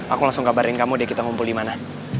aku langsung kabarin kamu deh kita ngumpul dimana